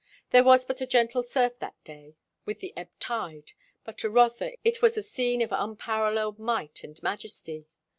There was but a gentle surf that day, with the ebb tide; but to Rotha it was a scene of unparalleled might and majesty.